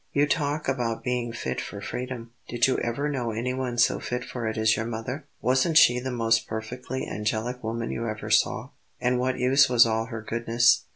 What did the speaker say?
You talk about being fit for freedom did you ever know anyone so fit for it as your mother? Wasn't she the most perfectly angelic woman you ever saw? And what use was all her goodness?